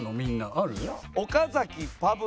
ある？